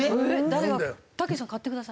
誰がたけしさん買ってください。